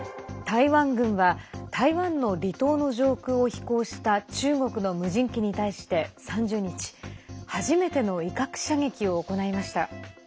台湾軍は台湾の離島の上空を飛行した中国の無人機に対して３０日初めての威嚇射撃を行いました。